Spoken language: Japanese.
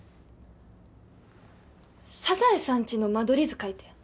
サザエさんちの間取り図描いて。